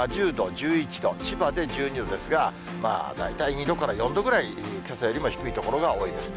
１０度、１１度、千葉で１２度ですが、大体２度から４度ぐらい、けさよりも低い所が多いです。